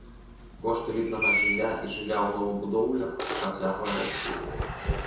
Кошт элітнага жылля і жылля ў новабудоўлях працягвае расці.